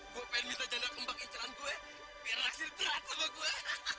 gw pengen minta janda kembang incelan gue biar naksir terat sama gue